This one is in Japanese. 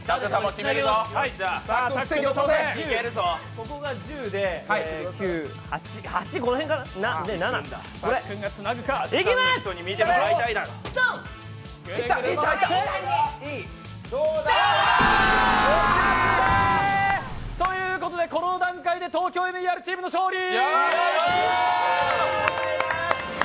ここが１０で、９、８。ということで、この段階で「ＴＯＫＹＯＭＥＲ」チームの勝利。